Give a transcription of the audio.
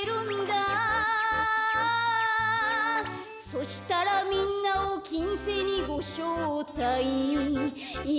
「そしたらみんなをきんせいにごしょうたいんいんん」